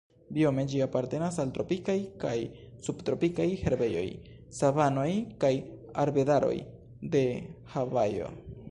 Biome ĝi apartenas al tropikaj kaj subtropikaj herbejoj, savanoj kaj arbedaroj de Havajo.